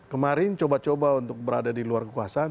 kemarin coba coba untuk berada di luar kekuasaan